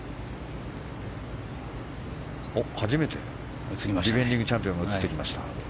初めてディフェンディングチャンピオンが映ってきました。